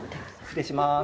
失礼します。